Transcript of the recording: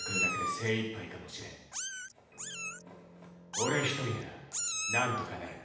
俺一人なら何とかなる。